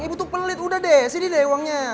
ibu tuh pelit udah deh sini deh uangnya